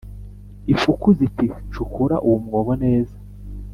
Ifuku ziti cukura uwo mwobo neza